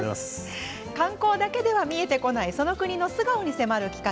観光だけでは見えてこないその国の素顔に迫る企画